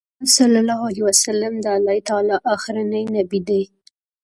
محمد صلی الله عليه وسلم د الله تعالی آخرنی نبی دی